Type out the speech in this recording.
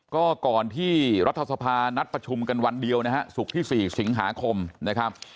ก็ก่อนที่รัฐสภานัดประชุมกันวันเดียวนะฮะศุกร์ที่๔สิงหาคมนะครับ